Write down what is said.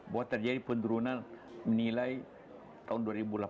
buat terjadi pendurunan menilai tahun dua ribu delapan belas